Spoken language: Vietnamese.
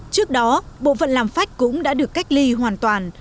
trước đó bộ phận làm phách cũng đã được cách ly hoàn toàn